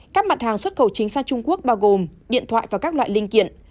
các mặt hàng xuất khẩu chính sang trung quốc bao gồm điện thoại và các loại linh kiện